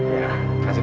ya terima kasih dok